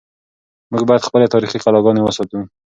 موږ باید خپلې تاریخي کلاګانې وساتو.